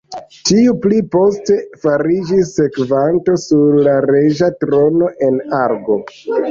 Tiu pli poste fariĝis sekvanto sur la reĝa trono en Argo.